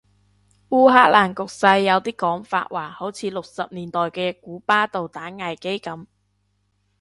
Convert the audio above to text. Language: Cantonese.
烏克蘭局勢有啲講法話好似六十年代嘅古巴導彈危機噉